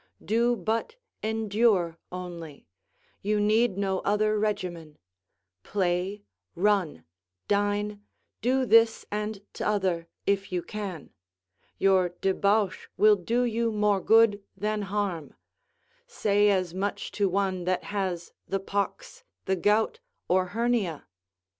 Do but endure only; you need no other regimen play, run, dine, do this and t'other, if you can; your debauch will do you more good than harm; say as much to one that has the pox, the gout, or hernia!